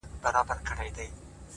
نژدې ورغلم-